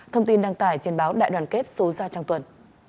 thông tin đăng tải trên báo đại đoàn kết số gia trang tuần